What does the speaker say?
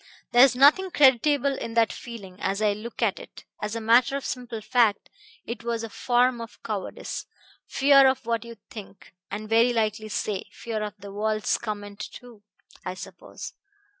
There's nothing creditable in that feeling, as I look at it; as a matter of simple fact, it was a form of cowardice fear of what you would think, and very likely say fear of the world's comment too, I suppose.